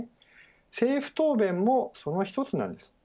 政府答弁もその一つなんです。